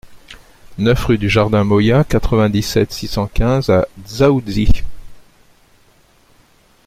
neuf rue du Jardin Moya, quatre-vingt-dix-sept, six cent quinze à Dzaoudzi